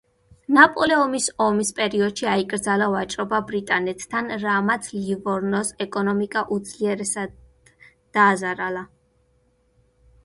ნაპოლეონის ომების პერიოდში, აიკრძალა ვაჭრობა ბრიტანეთთან, რამაც ლივორნოს ეკონომიკა უძლიერესად დააზარალა.